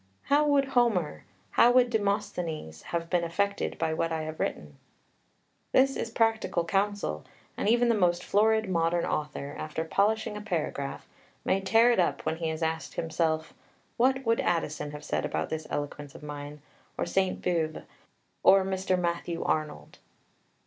"How would Homer, how would Demosthenes, have been affected by what I have written?" This is practical counsel, and even the most florid modern author, after polishing a paragraph, may tear it up when he has asked himself, "What would Addison have said about this eloquence of mine, or Sainte Beuve, or Mr. Matthew Arnold?"